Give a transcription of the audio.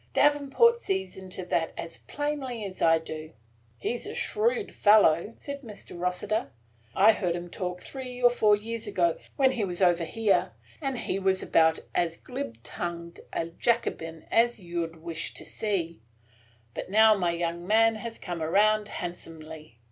Davenport sees into that as plainly as I do." "He 's a shrewd fellow," said Mr. Rossiter. "I heard him talk three or four years ago, when he was over here, and he was about as glib tongued a Jacobin as you 'd wish to see; but now my young man has come around handsomely.